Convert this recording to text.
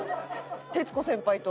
徹子先輩と？